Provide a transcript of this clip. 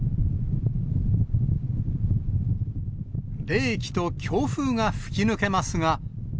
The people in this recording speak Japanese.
冷気と強風が吹き抜けますが。